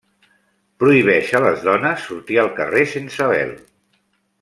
Prohibeix a les dones sortir al carrer sense vel.